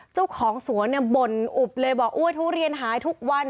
เจ้าของสวนเนี่ยบ่นอุบเลยบอกทุเรียนหายทุกวัน